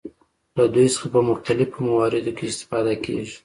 له دوی څخه په مختلفو مواردو کې استفاده کیږي.